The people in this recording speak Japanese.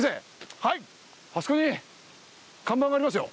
あそこに看板がありますよ。